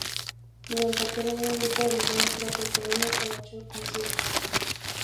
Durante aquel año el grupo realizó una gira por Polonia con ocho conciertos.